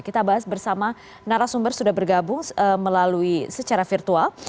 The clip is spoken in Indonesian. kita bahas bersama narasumber sudah bergabung melalui secara virtual